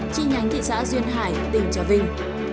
chi nhánh thị xã duyên hải tỉnh trà vinh